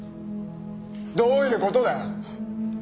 どういう事だよ。